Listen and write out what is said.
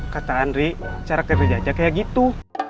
kata andri cara kerja kayak gitu